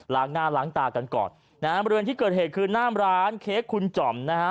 ล้างงานล้างตากันก่อนบริเวณที่เกิดเหตุคือน่ามร้านเค้กคุณจำ